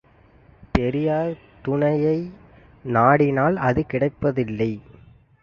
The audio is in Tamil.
பெரியார் துணையை நாடினால் அது கிடைப்பது இல்லை.